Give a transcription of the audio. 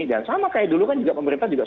dan sama kayak dulu kan pemerintah juga suka